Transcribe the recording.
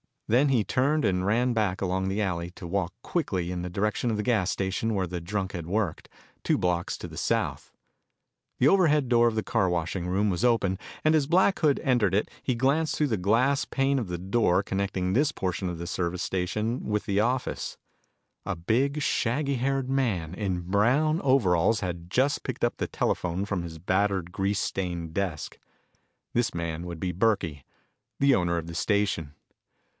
Then he turned and ran back along the alley to walk quickly in the direction of the gas station where the drunk had worked, two blocks to the south. The overhead door of the car washing room was open, and as Black Hood entered it he glanced through the glass pane of the door connecting this portion of the service station with the office. A big, shaggy haired man in brown overalls had just picked up the telephone from his battered, grease stained desk. This man would be Burkey, the owner of the station.